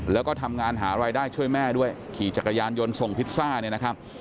แล้วก็ทำงานหารายได้ช่วยแม่ด้วยขี่จักรยานยนต์ส่งพิซซ่าเนี่ยนะครับ